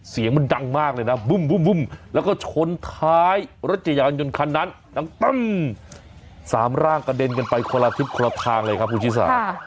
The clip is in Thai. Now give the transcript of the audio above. เสียงมันดังมากเลยนะบึ้มแล้วก็ชนท้ายรถจักรยานยนต์คันนั้นดังปั้มสามร่างกระเด็นกันไปคนละทิศคนละทางเลยครับคุณชิสา